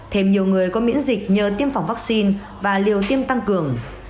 thêm nhiều người có miễn dịch nhờ tiêm phòng vaccine và liều tiêm tăng cường